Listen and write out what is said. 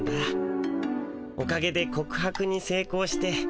おかげでこく白にせいこうして。